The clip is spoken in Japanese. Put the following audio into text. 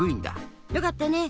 よかったね。